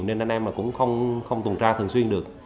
nên anh em cũng không tuần tra thường xuyên được